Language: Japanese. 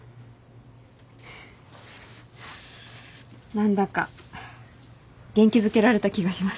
何だか元気づけられた気がします。